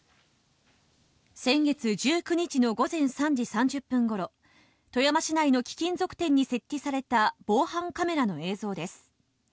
先月１９日の午前３時３０分ごろ、富山市内の貴金属店に設置された防犯カメラの映像です。